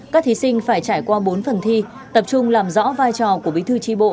các thí sinh phải trải qua bốn phần thi tập trung làm rõ vai trò của bí thư tri bộ